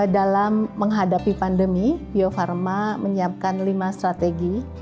dalam menghadapi pandemi bio farma menyiapkan lima strategi